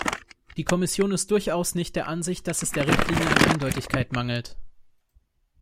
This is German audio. Die Kommission ist durchaus nicht der Ansicht, dass es der Richtlinie an Eindeutigkeit mangelt.